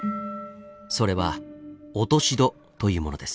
それは落とし戸というものです。